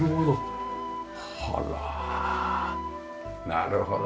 なるほど。